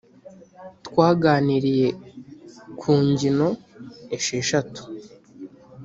twaganiriye kungino esheshatu.